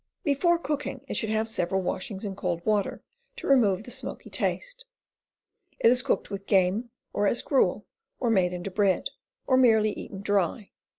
Before cooking, it should have several washings in cold water, to remove the smoky taste. It is cooked with game, or as gruel, or made into bread, or merely eaten dry.